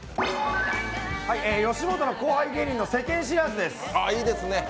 吉本の後輩芸人の世間知らズです。